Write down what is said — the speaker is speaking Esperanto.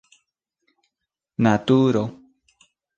naturo